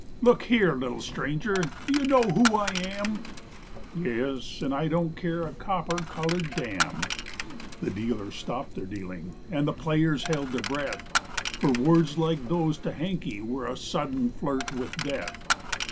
Look here, little stranger, do you know who I am?" "Yes, and I don't care a copper colored damn." The dealers stopped their dealing and the players held their breath; For words like those to Hankey were a sudden flirt with death.